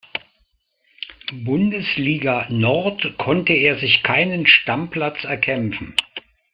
Bundesliga Nord konnte er sich keinen Stammplatz erkämpfen.